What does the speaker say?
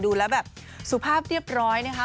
ดูแล้วแบบสุภาพเรียบร้อยนะคะ